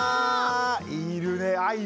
いるね。